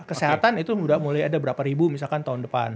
kesehatan itu sudah mulai ada berapa ribu misalkan tahun depan